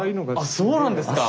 あそうなんですか